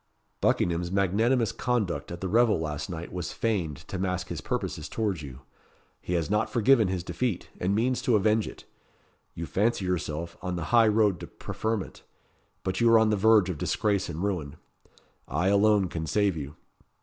Buckingham's magnanimous conduct at the revel last night was feigned to mask his purposes towards you. He has not forgiven his defeat, and means to avenge it. You fancy yourself on the high road to preferment; but you are on the verge of disgrace and ruin. I alone can save you.